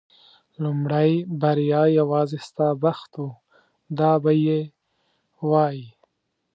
لومړۍ بریا یوازې ستا بخت و دا به یې وایي.